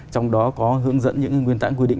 trong đó có hướng dẫn những nguyên tảng quy định